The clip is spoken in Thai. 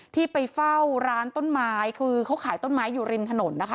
ที่ไปเฝ้าร้านต้นไม้คือเขาขายต้นไม้อยู่ริมถนนนะคะ